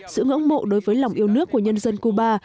sự ngưỡng mộ đối với lòng yêu nước của nhân dân cuba